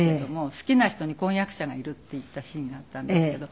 好きな人に婚約者がいるっていったシーンがあったんですけど。